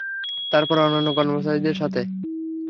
তারপর অন্যান্য কর্মচারীদের সাথে।